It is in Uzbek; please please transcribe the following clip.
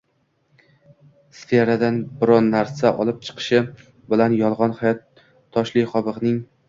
sfera” dan biron narsa otilib chiqishi bilan, “yolg‘on hayot” toshli qobig‘ining